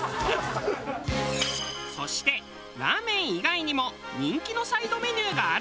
そしてラーメン以外にも人気のサイドメニューがあるという。